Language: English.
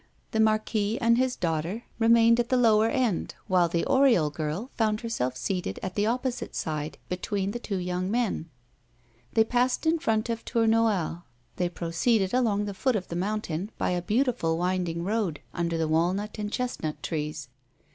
The Marquis and his daughter remained at the lower end, while the Oriol girl found herself seated at the opposite side between the two young men. They passed in front of Tournoel; they proceeded along the foot of the mountain, by a beautiful winding road, under the walnut and chestnut trees.